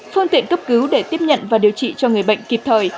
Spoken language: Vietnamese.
phương tiện cấp cứu để tiếp nhận và điều trị cho người bệnh kịp thời